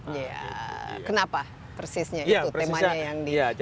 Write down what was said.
iya kenapa persisnya itu temanya yang di